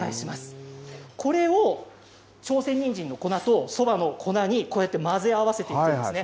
これを朝鮮にんじんの粉とそばの粉に、こうやって混ぜ合わせていきますね。